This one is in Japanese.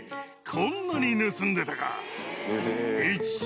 こんなに盗んでたか。